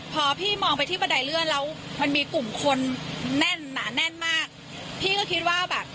พอพี่มองไปที่บันไดเลื่อนแล้วมันมีกลุ่มคนแน่นหนาแน่นมากพี่ก็คิดว่าแบบ